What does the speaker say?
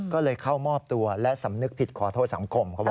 ก็เลยเข้ามอบตัวและสำนึกผิดขอโทษสังคมเขาบอก